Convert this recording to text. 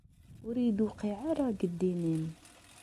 Ur iyi-d-tewqiɛ ara seg ddin-im.